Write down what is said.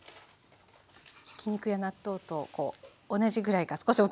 ひき肉や納豆とこう同じぐらいか少し大きいぐらいの大きさで。